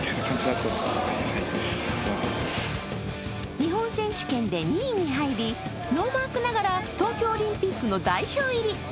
日本選手権で２位に入り、ノーマークながら東京オリンピックの代表入り。